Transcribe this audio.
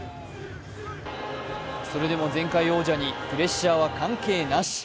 それでも前回王者にプレッシャーは関係なし。